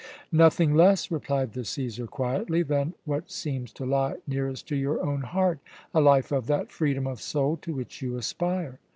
"Nothing less," replied the Cæsar quietly, "than what seems to lie nearest to your own heart a life of that freedom of soul to which you aspire."